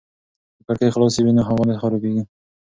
که کړکۍ خلاصې وي نو هوا نه خرابېږي.